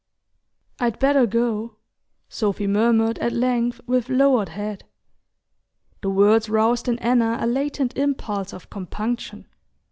"I'd better go," Sophy murmured at length with lowered head. The words roused in Anna a latent impulse of compunction.